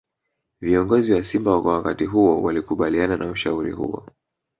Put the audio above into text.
Viongozi wa Simba kwa wakati huo walikubaliana na ushauri huo